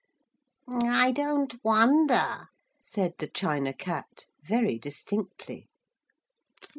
'I don't wonder,' said the China Cat very distinctly.